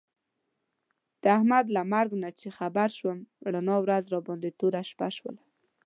د احمد له مرګ نه چې خبر شوم، رڼا ورځ راباندې توره شپه شوله.